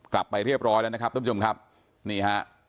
กลับไปเรียบร้อยแล้วนะครับท่านผู้ชมครับนี่ฮะ